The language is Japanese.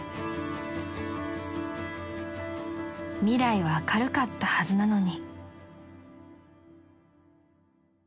［未来は明るかったはずなのに］